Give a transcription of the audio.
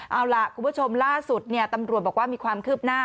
เอาล่ะคุณผู้ชมล่าสุดตำรวจบอกว่ามีความคืบหน้า